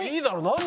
何？